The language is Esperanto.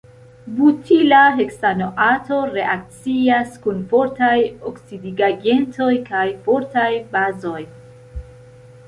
Butila heksanoato reakcias kun fortaj oksidigagentoj kaj fortaj bazoj.